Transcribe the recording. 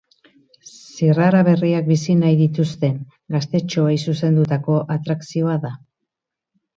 Zirrara berriak bizi nahi dituzten gaztetxoei zuzendutako atrakzioa da.